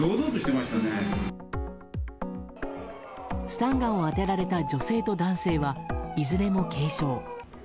スタンガンを当てられた女性と男性はいずれも軽傷。